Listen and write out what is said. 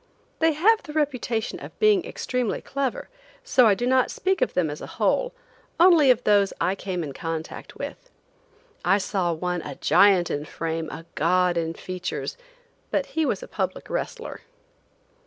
They have the reputation of being extremely clever, so I do not speak of them as a whole, only of those I came in contact with. I saw one, a giant in frame, a god in features; but he was a public wrestler.